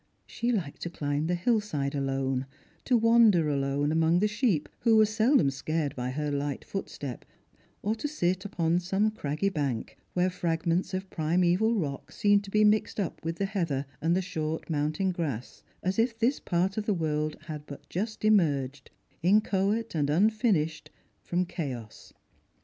She liked to cUmb the hill side alone, to wander alone among the sheep, who were seldom scared by her light footstep, or to sit npon some craggy bank, where fragments of primaeval rock \ seemed to be mixed up with the heather and the short mountain grass, as if this part of the world had but just emerged, in v^ choate and unfinished, from chaos.